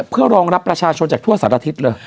เพื่อรองรับประชาชนจากทั่วสารอาทิตย์เลย